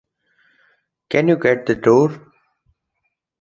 Can you get the door?